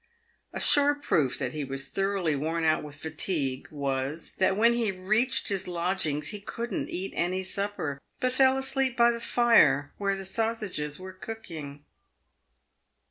A sure proof that he was thoroughly worn out with fatigue was, that when he reached his lodgings he couldn'lj eat any supper, but fell asleep by the fire where the sausages were cooking.